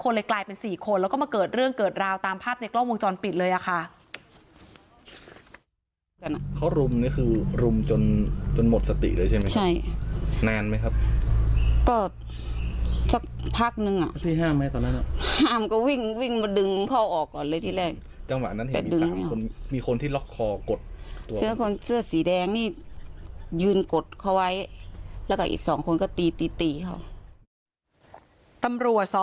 เลยกลายเป็น๔คนแล้วก็มาเกิดเรื่องเกิดราวตามภาพในกล้องวงจรปิดเลยอะค่ะ